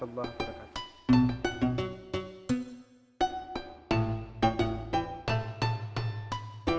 ya udah assalamualaikum